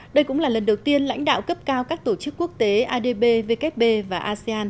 đây cũng là lần đầu tiên lãnh đạo cấp cao các tổ chức quốc tế adb vkp và asean